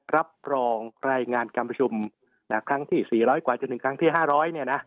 รับรองรายงานการประชุมแต่ครั้งที่สี่ร้อยกว่าจนถึงครั้งที่ห้าร้อยเนี้ยนะ